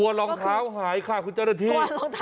แบบนี้คือแบบนี้คือแบบนี้คือแบบนี้คือ